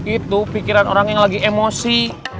itu pikiran orang yang lagi emosi